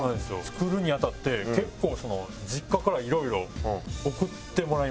作るに当たって結構実家からいろいろ送ってもらいまして。